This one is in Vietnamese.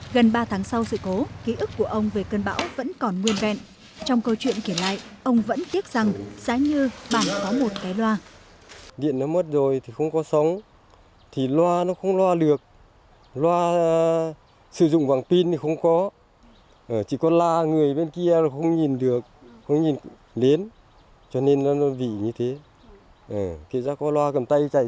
gần ba tháng sau sự cố ký ức của ông về cơn bão vẫn còn nguyên vẹn trong câu chuyện kiểm lại ông vẫn tiếc rằng giá như bản có một cái loa